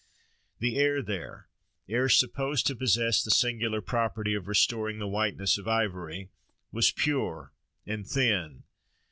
The air there, air supposed to possess the singular property of restoring the whiteness of ivory, was pure and thin.